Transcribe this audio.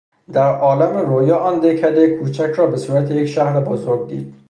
در عالم رویا آن دهکدهی کوچک را به صورت یک شهر بزرگ دید.